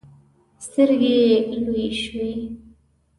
سترګې يې لویې شوې.